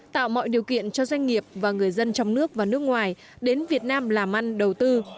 tạo mọi điều kiện cho doanh nghiệp và người dân trong nước và nước ngoài đến việt nam làm ăn đầu tư